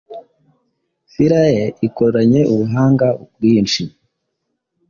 philae ikoranye ubuhanga bwinshi